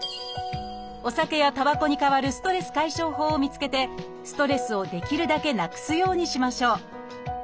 お酒やたばこに代わるストレス解消法を見つけてストレスをできるだけなくすようにしましょう。